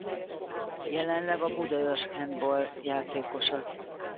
Jelenleg a Budaörs Handball játékosa.